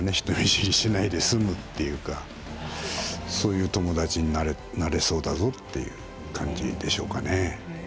人見知りしないで済むというかそういう友達になれそうだぞという感じでしょうかね。